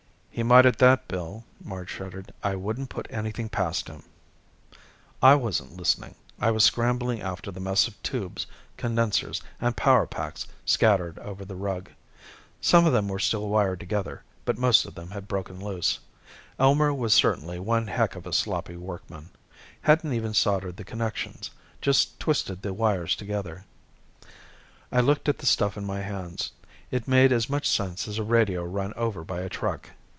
"He might at that, Bill," Marge shuddered. "I wouldn't put anything past him." I wasn't listening. I was scrambling after the mess of tubes, condensers and power packs scattered over the rug. Some of them were still wired together, but most of them had broken loose. Elmer was certainly one heck of a sloppy workman. Hadn't even soldered the connections. Just twisted the wires together. I looked at the stuff in my hands. It made as much sense as a radio run over by a truck.